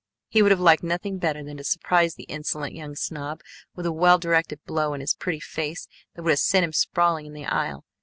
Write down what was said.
He would have liked nothing better than to surprise the insolent young snob with a well directed blow in his pretty face that would have sent him sprawling in the aisle.